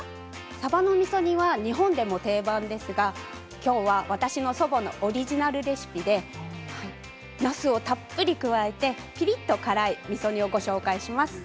さばのみそ煮は日本でも定番ですが今日は私の祖母のオリジナルレシピでなすをたっぷり加えてピリっと辛いみそ煮をご紹介します。